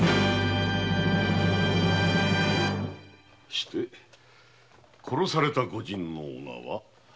して殺された御仁の名は？